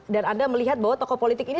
dan anda melihat bahwa tokoh politik ini